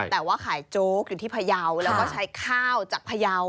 แต่ว่าขายโจ๊กอยู่ที่พยาวแล้วก็ใช้ข้าวจากพยาว